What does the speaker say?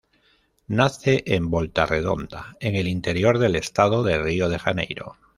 Nace en Volta Redonda, en el Interior del Estado de Río de Janeiro.